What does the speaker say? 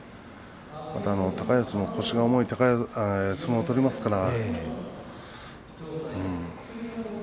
また高安も腰の重い相撲を取りますから。